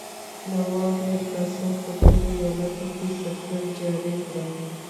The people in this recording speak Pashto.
نواب میرقاسم په ټولو ایالتونو کې سکه جاري کړه.